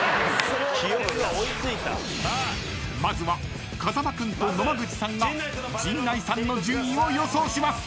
［まずは風間君と野間口さんが陣内さんの順位を予想します］